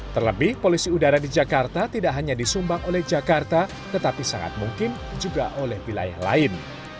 terlebih polusi udara di jakarta tidak hanya disumbang oleh jakarta tetapi sangat mungkin juga oleh wilayah lain